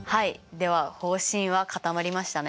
では方針は固まりましたね。